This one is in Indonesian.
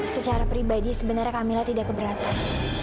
secara pribadi sebenarnya kamila tidak keberatan